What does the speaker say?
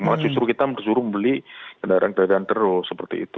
malah justru kita disuruh membeli kendaraan kendaraan terus seperti itu